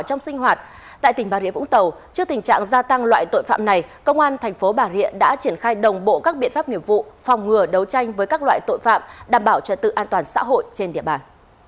trong tình trạng gia tăng loại tội phạm này công an tp bà rịa đã triển khai đồng bộ các biện pháp nghiệp vụ phòng ngừa đấu tranh với các loại tội phạm đảm bảo cho tự an toàn xã hội trên địa bàn